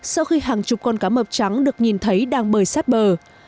sau khi hàng chục con cá mập trắng được nhìn thấy đang bơi sát bờ